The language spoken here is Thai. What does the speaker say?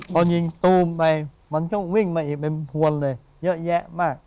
พอยิงตูมไปมันต้องวิ่งมาอีกเป็นพวนเลยเยอะแยะมาก